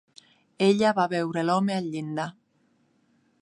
Ella va veure l"home al llindar.